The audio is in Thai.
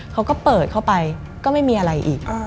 เขาก็เปิดเข้าไปก็ไม่มีอะไรอีก